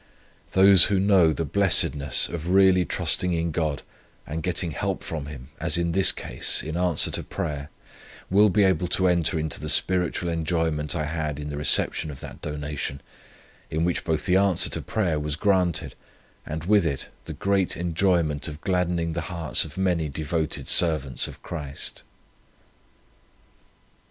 Those who know the blessedness of really trusting in God, and getting help from Him, as in this case, in answer to prayer, will be able to enter into the spiritual enjoyment I had in the reception of that donation, in which both the answer to prayer was granted, and with it the great enjoyment of gladdening the hearts of many devoted servants of Christ."